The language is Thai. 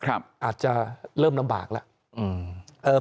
อาจจะเริ่มลำบากแล้ว